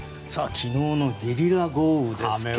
昨日のゲリラ豪雨ですけどもね。